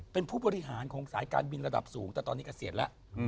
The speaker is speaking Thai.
เป็นผู้บริหารของสายการบินระดับสูงแต่ตอนนี้เกษียณแล้ว